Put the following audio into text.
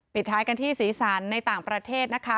ปิดท้ายกันที่สีสันในต่างประเทศนะคะ